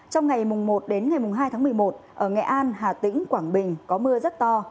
trong ngày một đến ngày hai tháng một mươi một ở nghệ an hà tĩnh quảng bình có mưa rất to